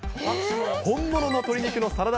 本物の鶏肉のサラダ